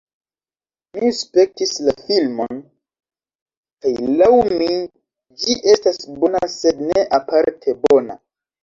Mi spektis la filmon kaj laŭ mi, ĝi estas bona sed ne aparte bona